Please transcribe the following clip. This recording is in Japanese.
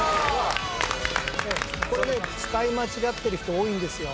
これね使い間違ってる人多いんですよ。